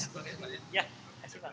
terima kasih pak